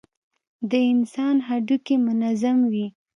د انسان هډوکى منظم وي.